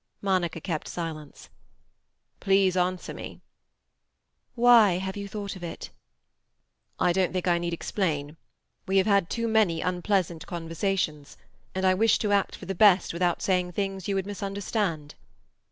Monica kept silence. "Please answer me." "Why have you thought of it?" "I don't think I need explain. We have had too many unpleasant conversations, and I wish to act for the best without saying things you would misunderstand."